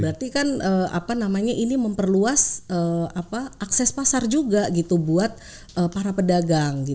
berarti kan ini memperluas akses pasar juga buat para pedagang